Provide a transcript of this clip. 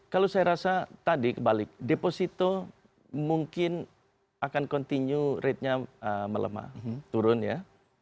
kalau saya rasa tadi kebalik deposito mungkin akan continue ratenya melemah turun ya